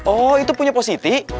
oh itu punya positi